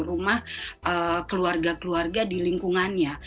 rumah keluarga keluarga di lingkungannya